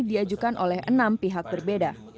diajukan oleh enam pihak berbeda